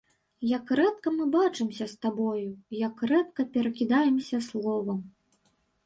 Як рэдка мы бачымся з табою, як рэдка перакідаемся словам!